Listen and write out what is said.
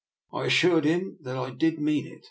I assured him that I did mean it.